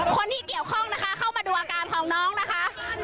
คนที่เกี่ยวข้องนะคะเข้ามาดูอาการของน้องนะคะ